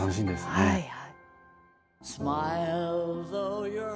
はいはい。